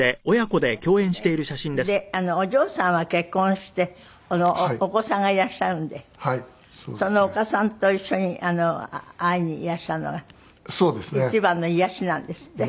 でお嬢さんは結婚してお子さんがいらっしゃるんでそのお子さんと一緒に会いにいらっしゃるのが一番の癒やしなんですって？